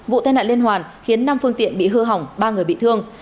vụ tai nạn liên hoàn khiến năm phương tiện bị hư hỏng ba người bị thương